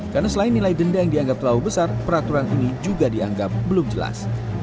karena selain nilai denda yang dianggap terlalu besar peraturan ini juga dianggap belum jelas